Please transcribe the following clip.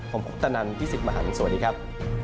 ผมคุกตะนันพี่ศิษย์มหาลิงสวัสดีครับ